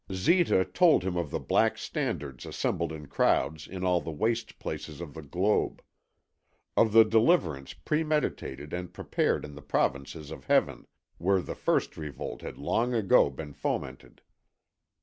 Zita told him of the black standards assembled in crowds in all the waste places of the globe; of the deliverance premeditated and prepared in the provinces of Heaven, where the first revolt had long ago been fomented.